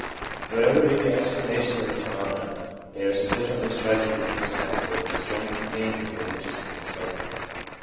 Whatever be the explanation of the phenomena, they are sufficiently striking to emphasise both the strength and danger of religious excitement.